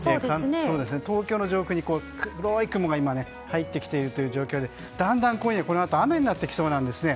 東京の上空に黒い雲が入ってきている状況でだんだん今夜、このあと雨になっていきそうなんですね。